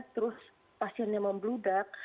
terus pasiennya membludak